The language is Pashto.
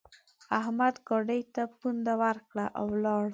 احمد ګاډي ته پونده ورکړه؛ او ولاړ.